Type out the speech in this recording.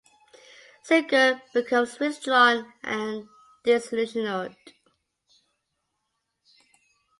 Sigurd becomes withdrawn and disillusioned.